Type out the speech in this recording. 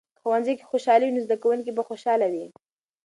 که ښوونځۍ کې خوشحالي وي، نو زده کوونکي به خوشحاله وي.